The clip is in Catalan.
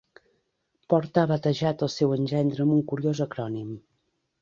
Porta ha batejat el seu engendre amb un curiós acrònim.